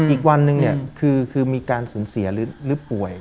อีกวันหนึ่งคือมีการสูญเสียหรือป่วย